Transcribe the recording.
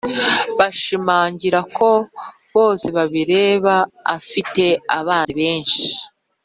bashimangira ko bosebabireba afite abanzi benshi